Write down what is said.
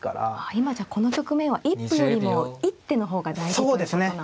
今じゃあこの局面は一歩よりも一手の方が大事ということなんですか。